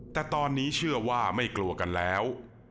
แต่ตอนนี้เชื่อว่าไม่กลัวกันแล้ว